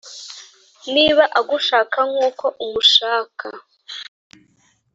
Niba agushaka nkuko umushaka